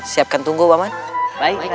siapkan tunggu bapak baik baik